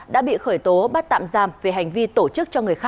đã bị khởi tố bắt tạm giam về hành vi tổ chức cho người khác